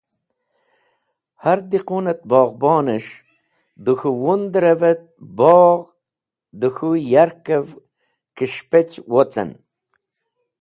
har diqun et boghbunes̃h da k̃hũ wundr’v et bogh dẽ k̃hũ yarkev kẽs̃hpech wocen.